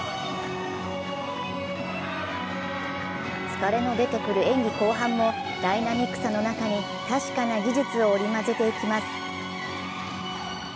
疲れの出てくる演技後半もダイナミックさの中に確かな技術を織り交ぜていきます。